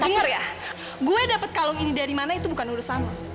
dengar ya gue dapat kalung ini dari mana itu bukan urusanmu